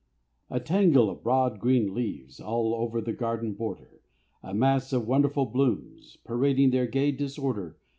A tangle of broad, green leaves, All over the garden border; A mass of wonderful blooms, Parading their gay disorder.